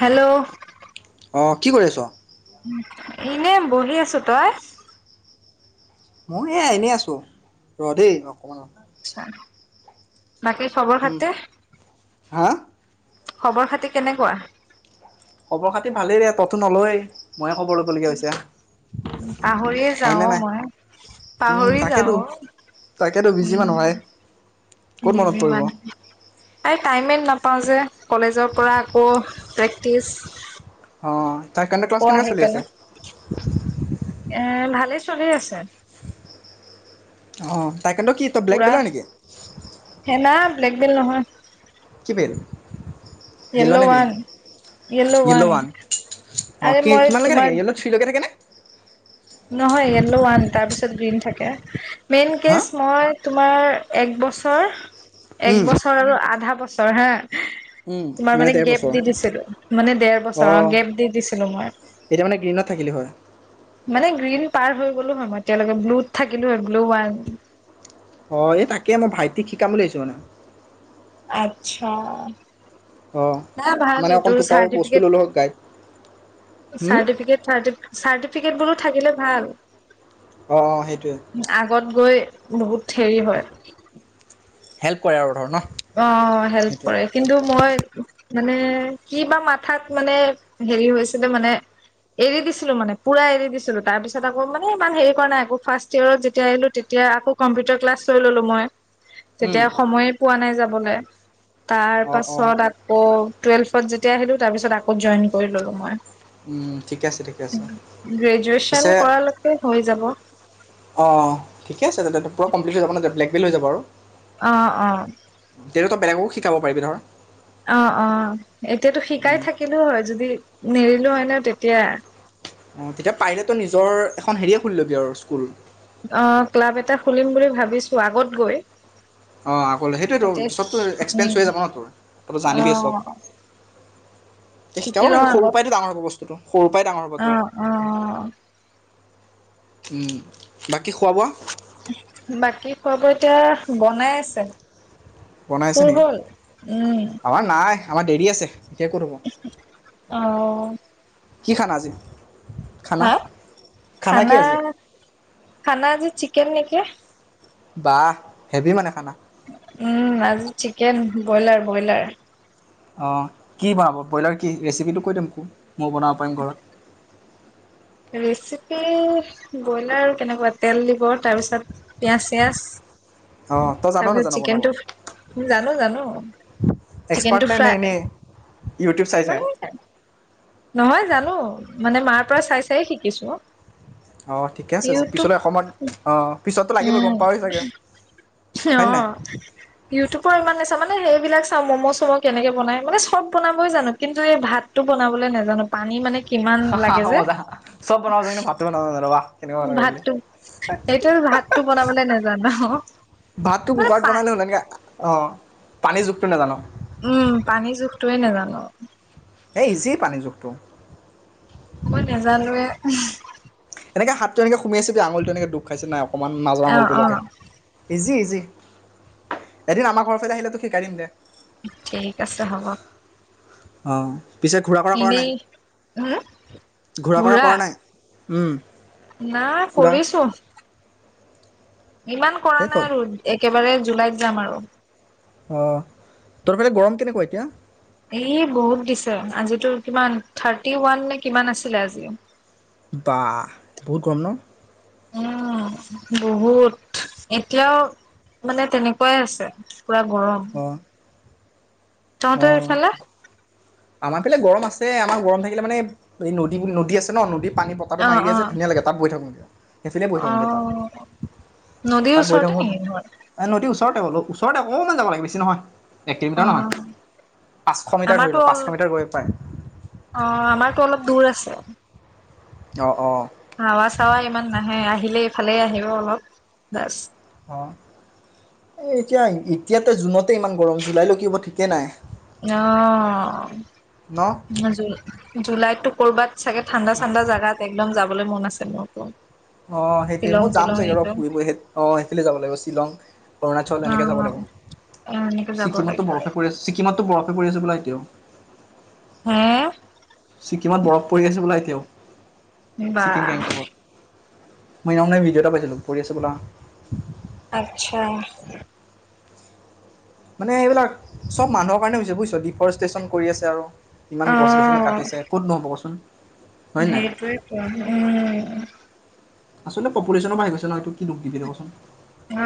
Hello অ' কি কৰি আছ। এনে বহি আছোঁ‌। তই? মই এ এনেই আছো ৰ দেই ৰ আত্ছা বাকি খবৰ উম খাতি। হা খবৰ খাতি কেনেকুৱা? খবৰ খাতি ভালেইৰে ততো নলয়। ময়ে খবৰ ল'বলগীয়া হৈছে পাহৰিয়ে হয়নে যাওঁ‌। নাই মই উম পাহৰি তাকেতো যাওঁ‌ তাকেতো উ বিজি মানুহ হয় ক'ত মনত ম পৰিব টাইমে নাপ পাওঁ যে কলেজৰ পৰা আকৌ প্ৰেক্টিছ অ' তাই কেণ্ড ক্লাছ কেনেকৈ চলি আছে। এ ভালে চলি আছে। অ' তাইকেণ্ড কি ত ব্লেক বেলা নেকি? বেলেগ বেলগ নহয় বেল য়্ল'ৱান য়েল্ল' য়্ল'ৱান ওৱান অঁ আৰে কি মই কিমানলৈকে থাকে তোমাৰ য়েল্ল' থ্ৰীলৈকে থাকেনে নহয় য়্ল'ৱান তাৰ পিছত ত গ্ৰীণ থাকে মেইন হা কেছ মই তোমাৰ এক বছৰ এক উম বছৰ আৰু আধা বছৰ উম চৰহে তোমাৰ মানে ডেৰ গেপ বছৰ দি দিছিলো মানে ডেৰ বছৰ অঁ অ গেপ দি দিছিলো মই এতিয়া মানে গ্ৰীণত থাকিলি হয় মানে গ্ৰীণ পাৰ হৈ গ'লো হয় মই এতিয়ালৈকে ব্লুত থাকিলো হয় ব্লু ৱান হয় এই তাকে মই ভাইটিক শিকাম বুলি ভাবিছোঁ মানে আত্ছা অঁ ভাল মানে অকণ এইটো টোপাও বস্তু চাৰটিফিকেট ল'লো হয় গাইড হুম চাৰটিফিকেট চাৰটিফিকেট ক্ৰিকেট বোৰো থাকিলে ভাল। অ অ সেইটোৱে আগত গৈ বহুত হেৰি হয় হেল্প কৰে আৰু ধৰ ন অ হেল্প সেইটোৱে কৰে কিন্তু মই মানে কি বা মাথাত মানে হেৰি হৈছিলে মানে এৰি দিছিলো মানে পুৰা এৰি দিছিলো তাৰ পিছত আকৌ মানে ইমান হেৰি কৰা নাই আকৌ ফাৰ্ষ্ট ইয়েৰত যেতিয়া আহিলো তেতিয়া আকৌ কম্পিউটাৰ ক্লাছ লৈ ললো মই উম তেতিয়া সময়ে পোৱা নাই বলে তাৰ অঁ অঁ পাছত আকৌ টুৱেল্ভত যেতিয়া আহিলো তাৰপিছত আকৌ জইন কৰি ললো মই ঠিকে আছে ঠিকে আছে গ্ৰেজুৱেচন পিছে কৰালৈকে হৈ যাব অ ঠিকে আছে তেন্তে পৰা কম্পেলেত যাব বেলক বেল হৈ যাব আৰু অঁ অঁ খাব পাৰিবি ধৰা অ অ এতিয়াতো শিকাই থাকিলোও হয় যদি নেৰিলো হয় ন তেতিয়া অ তেতিয়া পাৰিল তই নিজৰ এখন হেৰিয়ে খুল লবি আৰু স্কুল অ ক্লাব এটা খুলিম বুলি ভাবিছো আগত গৈ অঁ আকলৈ সেইটোৱটো তাতে পিছতো এক্সপেঞ্চ উম হৈ যাব ন তোৰ তই অ জানিবিই চব শিকি শিকাব লওঁ পাৰিবি সৰুৰ আগত পৰাইতো ডাঙৰ হ'ব বস্তুটো সৰুৰ পৰাই ডাঙৰ হ'ব অ তোৰ। অ উম বাকী খোৱা বোৱা বাকী খোৱাব এতিয়া বনাই আছে বনাই আছে টোৰ নেকি হল উম আমাৰ নাই আমাৰ দেৰি আছে এতিয়া ক'ত হ'ব অ অ কি খালা আজি খানা হা কি খানা আজি খানা আজি চিকেন নে ক [unintelligible] বাহ হেভি মানে খানা উম আজি চিকেন ব্ৰইলাৰ ব্ৰইলাৰ অ কি বনাব ব্ৰইলাৰ কি ৰেচিপিটো কৈ দে মোকো মই বনাব পাৰিম ঘৰত ৰেচিপি ব্ৰইলাৰ কেনেকুৱা তেল দিব তাৰপিছত পিয়াজ চিয়াজ অঁ তই জান নাজান তাৰপিছত বনাব চিকেনটো জানো জানো এক্সপাৰ্ট চিকেনটো নে নে ফ্ৰাই এনেই ইউটিউব চাই চাই মানে নহয় জানো মানে মাৰ পৰা চাই চাই শিকিছো অ ঠিকে আছে ইউটিউব পিছলৈ এসময়ত অ উম অ হয় নাই ইউটিউবৰ ইমান নেচাও মানে মানে সেইবিলাক চাওঁ ম'ম' চম' কেনেকে বনাই মানে চব বনাব জানো কিন্তু এই ভাতটো বনাবলৈ নাজানো পানী মানে কিমান হা লাগে হা যে মজা চব বনাব জান কিন্তু ভাতটো বনাব নাজান ৱাহ ভাতটো সেইটো ভাতটো বনাবলে নাজানো ভাতটো মানে কুকাৰত পা বনালে হ'ল এনেকৈ অঁ পানী জুখটো নেজান উম পানীৰ জোখটোৱে নেজানো এই ইজি পানী জুখটো মই নেজানোৱে এনেকে হাতটো এনেকে সোমীয়াই চাবি আঙুলিটো এনেকে ডুব খাইছে নাই অকণমান মাজৰ অ আঙলিটোৰ অ লৈকে ইজি ইজি এদিন আমাৰ ঘৰৰ ফালে আহিলে তোক শিকাই দিম দে ঠিক আছে হ'ব অ পিছে ঘূৰা ফূৰা কৰা এনেই উম নাই ঘূৰা ফূৰা কৰা নাই উম না ফুৰা কৰিছো ইমান কৰা এই নাই তই আৰু একেবাৰে জুলাইত যাম আৰু অ তহঁতৰ ফালে গৰম কেনেকুৱা এতিয়া এই বহুত দিছে আজিতো কিমান থাৰ্টি ওৱান নে কিমান আছিলে আজি বা বহুত গৰম ন উম বহুত এতিয়াও মানে তেনেকোৱাই আছে পুৰা গৰম অঁ তহঁতৰ অঁ সেইফালে আমাৰ ফালে গৰম আছে, আমাৰ গৰম থাকিলে মানে এই নদী -নদী আছে ন নদীত পানী পকাটো অ মাৰি দিয়ে অ যে ধুনীয়া লাগে, তাত বহী থাকোঁ সেইফালে বহী অ থাকোঁগে তাত নদীৰ তাত বহী ওচৰতে থাকোঁ নেকি ঘৰ এ নদী ওচৰত ওচৰতে বোলো ওচৰতে অকনমান যাব লাগে বেছি নহয়। এক অ কিলোমিটাৰ নহয়। পাঁচশ মিটাৰ ধৰি আমাৰতো লওক অল পাঁচশ মিটাৰ গৈ পায় অ আমাৰতো অলপ দু [unintelligible] দুৰ আছে। অ' অ'। হাৱা চাৱা ইমান নাহে, আহিলে এইফালে আহিব অলপ বাচ। অ', এই এতিয়া- এতিয়াতে জুনতে ইমান গৰম। জুলাই লৈ কি হব ঠিকে নাই। অ [unintelligible] ন জুলাইতো- ক'ৰবাত চাগে ঠাণ্ডা- চাণ্ডা জাগাত একদম যাব যাবলে মন আছে মোৰটো অ সেইটোৱে। মই যাম চাগে ৰ ফুৰিব হেত অ সিফালে যাব লাগিব শ্বিলং, অৰুণাচল অ এনেকে যাব এনেকে লাগিব। যাব ছিকিমতটো লাগিব বৰফে পৰে। ছিকিমতটো বৰফ পৰি আছে বোলে এতিয়াও। [unintelligible] হা ছিকিমত বৰফ পৰি আছে হ'বলা এতিয়াও। ছিকিম বাহ। গেংটকত মই সেইদিনা ভিডিঅ' এটা পাইছিলো। পৰি আছে বোলা। আচ্ছা। মানে এইবিলাক চব মানুহৰ কাৰণে হৈছে বুজিছ। ডিফৰেষ্টচন কৰি আছে আৰু। ইমান গছ গছনি কাটিছে, ক'ত নহব কচোন। হয় নাই সেইটোৱেইটো। উম। আচলতে পপুলেশ্যনো বাঢ়ি গৈছে ন, এইতো কি দোষ দিবি তই কচোন? অ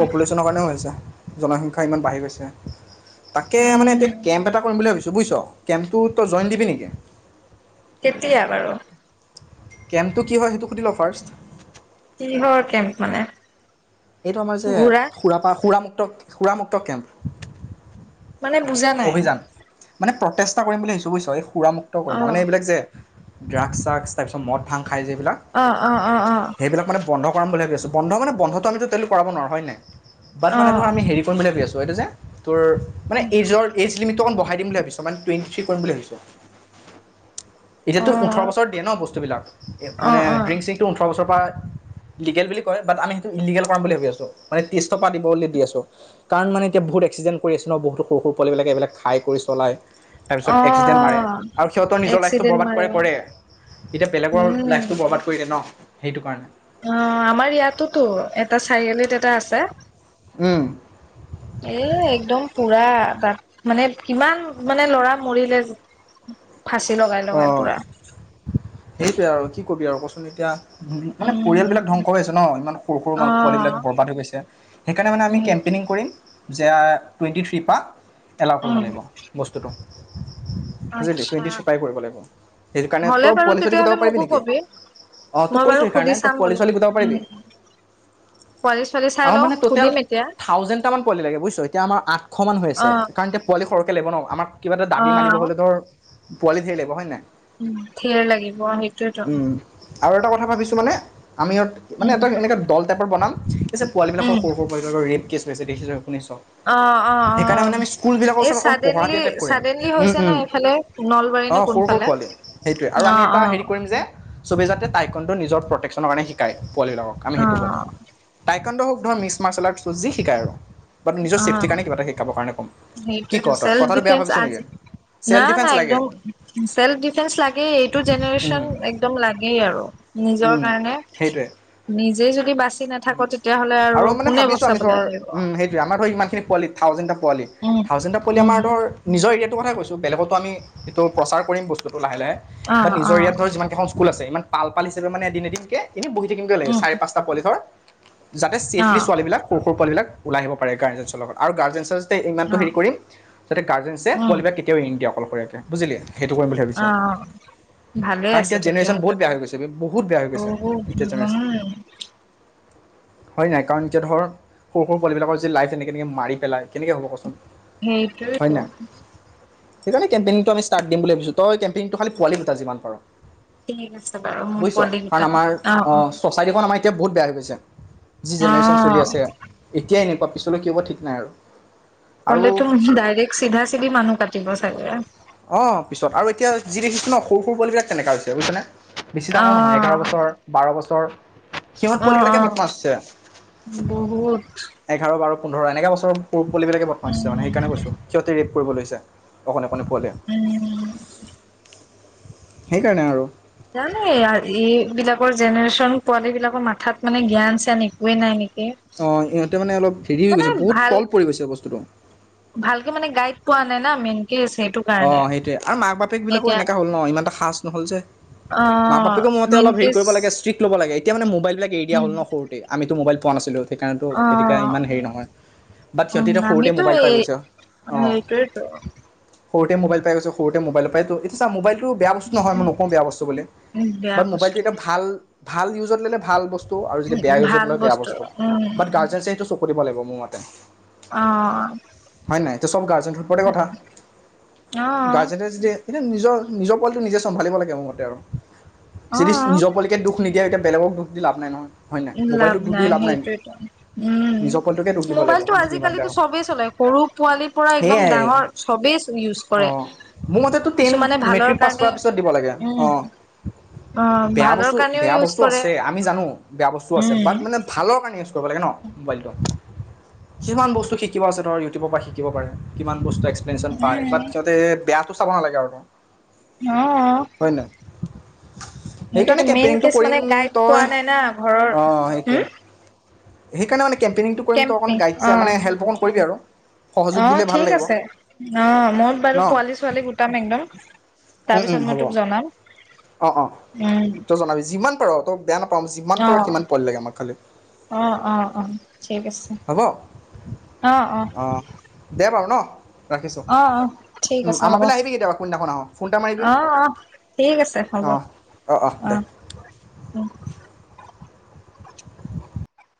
পপুলেশ্যনৰ কাৰণেও হৈছে। জনসংখ্যাও ইমান বাঢ়ি গৈছে। তাকে মানে উম এতিয়া কেম্প এটা কৰিম বুলি ভাবিছোঁ। বুজিছ? কেম্পটো তই জইন দিবি নেকি? কেতিয়া বাৰু? কেম্পটো কি হয়? সেইটো সুধি ল ফাৰ্ষ্ট? কিহৰ কেম্প মানে? এইটো আমাৰ যে ঘূৰা সুৰাপা - সুৰামক্ত [unintelligible] সুৰামুক্ত কেম্প। মানে বুজা নাই। প্ৰচেষ্টা কৰিম বুলি ভাবিছোঁ। বুজিছ এই সুৰামুক্ত অ কৰিম। মানে এইবিলাক যে ড্ৰাগছ চাগছ্‌। তাৰপিছত মদ ভাং খাই যে এই বিলাক। অ অ অ অ সেইবিলাক মানে বন্ধ কৰাম বুলি ভাবি আছোঁ। বন্ধ মানে বন্ধটো আমিতো টো এইটো কৰাব নোৱাৰোঁ। হয় নাই? বাট অ মানে ধৰ আমি হেৰি কৰিম বুলি ভাবি আছোঁ। তইটো যে। তোৰ মানে এইজৰ এজ লিমিটটো অক ব- পঠাই দিম বুলি ভাবিছোঁ এটা মানে টুৱেণ্টি থ্ৰী কৰিম বুলি ভাবিছোঁ। অ এতিয়াতো ওঠৰ বছৰ দিয়ে ন বস্তুবিলাক অ মানে অ ড্ৰিংক চিংটো ওঠৰ বছৰ। হয় লিগেল বুলি কয় বাট আমি সেইটো ইলিগেল। কৰাম বুলি ভাবি আছোঁ। মানে ত্ৰিশ টকা দিবলে দি আছোঁ। কাৰণ মানে এতিয়া বহুত এক্সিডেণ্ট কৰি আছেঁ বহুত সৰু সৰু পোৱালিবিলাকে। এইবিলাক খাই কৰি চলাই তাৰপিছত অ এক্সিডেণ্ট মাৰে আৰু সিহঁতৰ নিজৰ লাইফটো এক্সিডেণ্ট বৰবাদ মাৰে কৰে কৰে এতিয়া বেলেগৰ উম লাইফটো বৰবাদ কৰিলে ন। সেইটো কাৰণে। অ আমাৰ ইয়াতোতো এটা চাৰিআলিত এটা আছে। উম, এ একদম পুৰা। তাত মানে কিমান মানে ল'ৰা মৰিলে? ফাঁচি লগাই অ লগাই পুৰা। সেইটোৱে আৰু কি? ক'বি আৰু কচোন এতিয়া। মানে পৰিয়ালবিলাক উম। ধ্বংস হৈ আছে ন ইমান সৰু সৰু পোৱালী অ', বিলাক বৰবাদ হৈ গৈছে সেইকাৰণে মানে আমি সেইটো কেম্পেইনিং কৰিম। যে টুৱেণ্টি থ্ৰী পা। এলাও কৰিব লাগিব বস্তুটো। আত্ছা। পাই কৰিব লাগিব সেইটো কাৰণে তই পোৱালী ছোৱালী তেতিয়াহ'লে গোটাব পাৰিবিঅ মোকো নেকি কবি অ তোক মই কৈছোঁ বাৰু সুধি সেইকাৰণে চাম পোৱালী বোলো। ছোৱালী গোটাব পাৰিবি উম। পোৱালি ছোৱালী চাই আমাৰ লওঁ মানে টোটেল সুধিম এতিয়া থাউজেণ্ড টা পোৱালী লাগে বুজিছোঁ এতিয়া আমাৰ আটখো মান হয় আছে অ', সেইকাৰণে এতিয়া পোৱালী সৰকে। কে লাগিব নওঁ আমাক। কিবা এটা দাবী মানিব অ'। হ'লে ধৰ। পোৱালি ধেৰ লাগিব হয়। নাই উম ধেৰ লাগিব সেইটোয়েতো। আৰু এটা কথা ভাবিছোঁ মানে। আমি ই মানে উম। এটা এনেকৈ দল টাইপৰ বনাম। [inaudible] পিছে পোৱালীবিলাক সৰু উম, সৰু বিলাকৰ ৰেপ কেছ। ‌ কি হৈছে দেখিছোঁ। অ অ অ স্কুলবিলাকৰ এই ওচৰত অকণ পহৰা চাডেনলি দিয়া চাডেনলি হৈছে ন এইফালে। নলবাৰী অ নে সৰু সৰু কোনফালে? পোৱালি। সেইটোৱে আৰু আমি অ', এটা অ', হেৰি কৰিম যে চবে যাতে টাইকানটো নিজৰ প্ৰটেকশ্যনৰ কাৰণে শিকায়। পোৱালীবিলাকক আমি সেইটো অ'। ক'ম, তাইক টাইকোৱানডো শুদ্ধ মিশ মাৰছেলাআৰ্ট জি শিকায় আৰু। বা নিজৰ চেফটিৰন কাৰণে কিবা এটা শিকাব কাৰণে কম। কি সেইটোৱেটো ক তই চেল্ফ কথাটো বেয়া ডিফেন্স ভাবিছ নেকি আজি ন চেল্ফ ডিফেন্স না লাগে একদম চেল্ফ ডিফেন্স লাগেই এইটো জেনেৰেশ্যন একদম লাগেই আৰু, নিজৰ কাৰণে সেইটোৱে নিজে যদি বাচি নাথাকো তেতিয়াাহ'লে আৰু কোনে বচাবলৈ আহিব। ইমানখিন পোৱালি থাউেণ্ টা। পোৱালি উম, থাউজেণ্ডটা পোৱালি উম, আমাৰ ধৰ নিজৰ এৰিয়াত টো কথা কৈছো বেলেগতো আমিটো প্ৰচাৰ কৰিম বস্তুটো লাহে লাহে বাট অ', নিজৰ অ', এৰিয়াত ধৰ যিমান কেইখন স্কুল আছে। ইমান পাল পাল হিচাপ মানে এদিন এদিনকে এনে বহি থাকিম কেলে উম, চাৰি পাঁচটা পোৱালি ধৰ। যাতে চেফলি অ', ছোৱালী বিলাক পঢ়ি ও পোৱাবিলাক ওলাই আহিব পাৰে গাৰ্জেনছৰ লগত আৰু গাৰ্জেঞ্চৰ তে ইমানটো অ', হেৰি কৰি যাতে গাৰ্জেনছে উম, পোৱালিকেইটাক কেতিয়াও এৰি নিদিয়ে অকলশৰীয়া কে। বুজিলি? সেইটো কৰিম বুলি অ ভাবিছোঁ ভালে কাৰণ আছে এতিয়া তেতিয়া জেনেৰেশ্যন বহুত হলেতো বেয়া হৈ গৈছে বহুত বেয়া হৈ গৈছে এতিয়া জেনেৰেচন। হয় নাই কাৰণ এতিয়া ধৰ সৰু সৰু পোৱালবিলাকৰ যে লাইফ এনেকে এনেকে মাৰি পেলাই কেনেকে হ'ব কচোন? হয় সেইটোৱেইটো। নাই সেইকাৰণে কেম্পেইনিংটো আমি ষ্টাৰ্ট দিম বুলি ভাবিছো তই কেম্পেইনটো খালি পোৱালি গোটা যিমান পাৰ। ঠিক আছে। বাৰু মোৰ বুজিছ পোৱালি কাৰণ কেইটা আমাৰ অ চচাইটিখন আমাৰ, এতিয়া বহুত বেয়া হৈ গৈছে। যি জেনেৰেশ্যন চলি অ', আছে এতিয়াই এনেকুৱা পিছলৈ কি হব ঠিক নাই আৰু। আৰু কলে তো ডাইৰেক্ট চিধা চিধি মানুহ কাটিব চাগে। অঁ পিছত আৰু এতিয়া যি দেখিছ ন সৰু সৰু পোৱালি বিলাক তেনেকোৱা হৈছে বুইছেনে। বেছি ডাঙৰ নহয় এঘাৰ অ', বছৰ বাৰ বছৰ, সিহঁত পোৱালি অ', বিলাকে অ', বদমাছ আছে। বহুত এঘাৰ বাৰ পোন্ধৰ এনেকা বোৰ চব পো পোৱালি বিলাকে বদমাচ হৈছে মানে উম, সেইকাৰণে কৈছোঁ। সিহঁতে কৰিব লৈছে অকণি অকণি পোৱালিয়ে। উম সেইকাৰণে আৰু জানে ইয়াৰ এইবিলাকৰ জেনেৰেশ্যন পোৱালী বিলাকৰ মাথাত মানে জ্ঞান জ্ঞান একোৱে নাই নেকি? অ' ইহঁতে মানে অলপ। হেৰি হৈ মানে গৈছে বহুত ভাল তল পৰি গৈছে বস্তুটো ভালকে মানে গাইড পোৱা নাই না মে অ' সেইটোৱে আৰু মাক বাপেক বিলাকো এতিয়া এনেককা হল ন ইমানটা সাজ নহ'ল যে মাক অ', বাপেকো মতে মেইন অলপ হেৰি কেচ কৰিব লাগে ষ্ট্ৰিক্ ল'ব লাগে। এতিয়া মানে মোবাইল। এই বিলাক উম, হল ন সৰুতে আমি টো মোবাইল কোৱা নাছিলো। সেইকাৰণটো তেতিয়া অ', ইমান হেৰি নহয়। বাট উম, সিহঁতি সৰুতে আমিতো মোবাইল পাই এই গৈছে অ'। সেইটোৱেতো সৰুতে মবাইল পাই গছে সৰুতে মবাইল পাইটো এইতো চা মোবাইল এইটো বেয়া বস্তু নহয় মই নকওঁ বেয়া বস্তু বুলি বেয়া বাট মোবাইলটো বস্তু। এটা ভাল ভাল ইউজত মিলে ভাল বস্তু। তু আৰু যদি বেয়া ইউজত ভাল লয় বেয়া বস্তু উম, ব গাৰ্জে সেইটো চকু দিব লাগিব। মোৰ মতে অ', হয় নাই ত চব গাৰ্জেন ওপৰতে কথা গাজ অ', যতে যদি এইটো। নিজৰ নিজৰ পোৱালিটো নিজে চম্ভালিব লাগে। মোৰ মতে আৰু যদি অ'। নিজৰ পুবালিকে দুখ নিদিয়ে হেঁতেন। বেলেক দুখ দি লাভ নাই নহয়। লাভ নাই সেইটোয়ো উম নিজৰ পোৱালিটোকে দোষ দিব লাগিব মোবাইলতটো যদি ইমান আজিকালি বেয়া হ'ব চবেই চলে সৰু পোৱালিৰ পৰা একদম ডাঙৰ চব। অ' মোৰ মতেতটো টেন কিছুমানে ভালৰ মেট্ৰিক পাছ কাৰণে কৰাৰ পিছত দিব লাগে উম অ' অ বেয়া ভালৰ বস্তু কাৰণেও বেয়া ইউজ বস্তু কৰে আছে। আমি জানো বেয়া বস্তু তো আছে উম তাত মানে ভালৰ কাৰনে। ইউজ কৰিব লাগে ন? মোবাইলটো কিমান বস্তু শিকিব পাৰে ন ইউটিউবৰ পৰা পায় উম বাট যতে বেয়া চাব নালাগে আৰু ত আহ সেইকাৰণে সেইটোতো মেইন কেম্পেইনিংটো কেচ কৰিম মানে গাইড তই পোৱা নাই না ঘৰৰ অঁ সেইটোৱে হম। সেইকাৰণে নে মানে? কেম্পেইনিংটো কৰিম তই অকণ কেম্পিং গাইড অ মানে হেল্প অকণ কৰিবি আৰু অ সহযোগ দিলে ভাল ঠিক লাগিব। আছে অ মই বাৰু পোৱালী ছোৱালীক গোটাম একদম উম তাৰপিছত উম হ'ব মই তোক জনাম অঁ অঁ উ। তই জনাবি যিমান তই অত। বেয়া নাপাওঁ যিমান পাৰোঁ সিমান পোৱালী লাগে আমাক খালি অ অ অ ঠিক আছে হ'ব অ অ অঁ দেয়া বাৰু ন। ৰাখিছো? অ', অ ঠিক আছে হ'ব অ আহ ফোন এটা মাৰিবি অ ঠিক আছে হ'ব অঁ অঁ অঁ অ দে হুম।